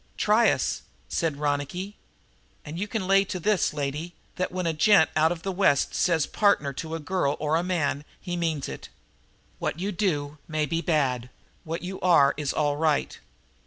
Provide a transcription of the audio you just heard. "Try us," said Ronicky. "And you can lay to this, lady, that, when a gent out of the West says 'partner' to a girl or a man, he means it. What you do may be bad; what you are is all right.